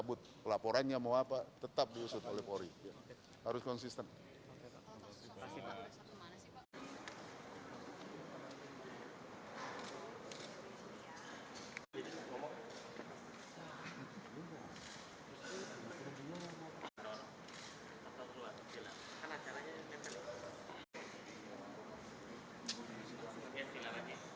bukti kalau enggak dia saya proses saya penjarain dia